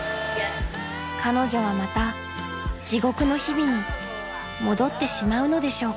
［彼女はまた地獄の日々に戻ってしまうのでしょうか］